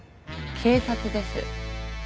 警察です。